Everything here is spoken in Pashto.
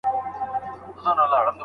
لاما 🦙